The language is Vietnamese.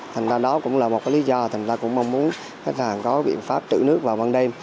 thành ra đó cũng là một lý do thành ra cũng mong muốn khách hàng có biện pháp trữ nước vào ban đêm